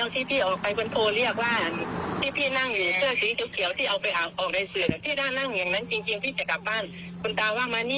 ก็ไปบอกกันเรื่องวิธีสวดมนต์แค่นั้น